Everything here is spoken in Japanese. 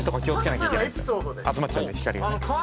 集まっちゃうんで光がね。